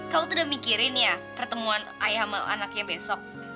kau tuh udah mikirin ya pertemuan ayah sama anaknya besok